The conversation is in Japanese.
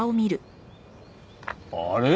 あれ？